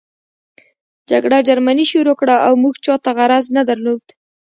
جګړه جرمني شروع کړه او موږ چاته غرض نه درلود